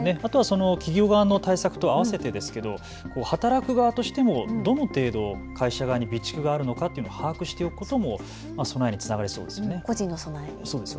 企業側の対策とあわせて働く側としてもどの程度、会社側に備蓄があるのか把握しておくことも備えにつながりそうですね。